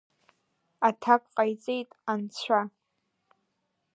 Аҭак ҟаиҵеит Анцәа.